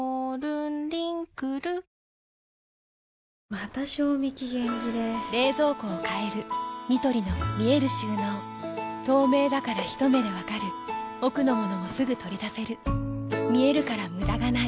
また賞味期限切れ冷蔵庫を変えるニトリの見える収納透明だからひと目で分かる奥の物もすぐ取り出せる見えるから無駄がないよし。